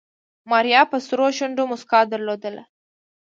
ماريا په سرو شونډو موسکا درلوده.